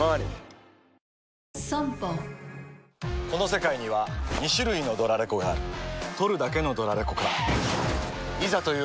この世界には２種類のドラレコがある録るだけのドラレコか・ガシャン！